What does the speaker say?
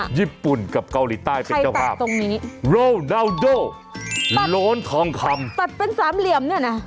ญี่ปุ่นกับเกาหลีใต้เป็นเจ้าภาพตรงนี้โรนาวโดโล้นทองคำตัดเป็นสามเหลี่ยมเนี่ยนะ